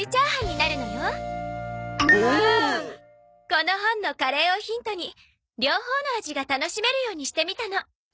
この本のカレーをヒントに両方の味が楽しめるようにしてみたの。